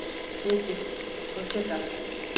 Peki, hoşça kal.